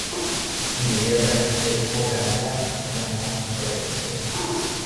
Inmediatamente dejó Canadá y jamás regresó.